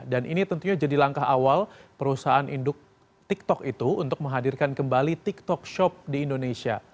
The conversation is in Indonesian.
dan ini tentunya jadi langkah awal perusahaan induk tiktok itu untuk menghadirkan kembali tiktok shop di indonesia